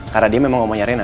karena dia memang omonya rena